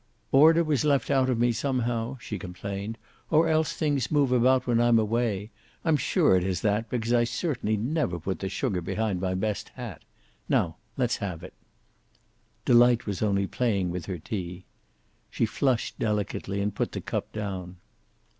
"Order was left out of me, somehow," she complained. "Or else things move about when I'm away. I'm sure it is that, because I certainly never put the sugar behind my best hat. Now let's have it." Delight was only playing with her tea. She flushed delicately, and put the cup down.